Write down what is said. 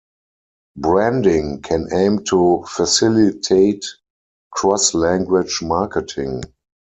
Branding can aim to facilitate cross-language marketing.